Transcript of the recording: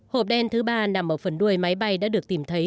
hộp đen thứ ba nằm ở phần đuôi máy bay đã được tìm thấy